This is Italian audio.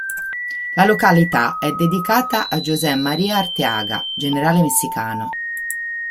La località è dedicata a José María Arteaga, generale messicano.